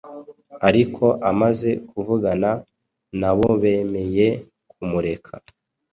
ariko amaze kuvugana nabobemeye kumureka